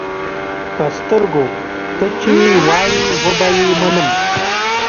پۀ سترګو، تۀ چې وایې وبۀ یې منم.